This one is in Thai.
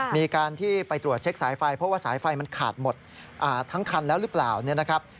มีการที่ไปตรวจเช็คสายไฟเพราะว่าสายไฟมันขาดหมดทั้งครรภ์แล้วหรือเปล่า